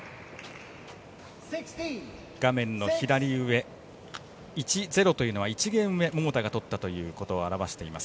画面の左上１−０というのは１ゲーム目を桃田が取ったということを表しています。